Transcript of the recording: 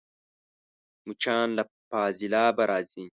مچان له فاضلابه راځي